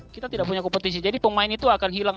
kita tidak punya kompetisi jadi pemain itu akan hilang